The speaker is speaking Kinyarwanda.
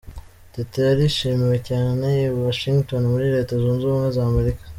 Teta yarishimiwe cyane i Washington muri Leta Zunze Ubumwe za Amerika.